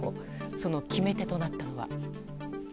その決め手となったのは。